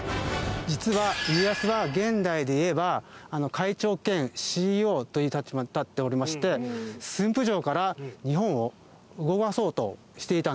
実は家康は現代でいえば会長兼ＣＥＯという立場に立っておりまして駿府城から日本を動かそうとしていたんです。